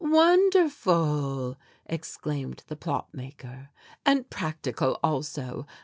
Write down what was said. "Wonderful!" exclaimed the plot maker; "and practical also.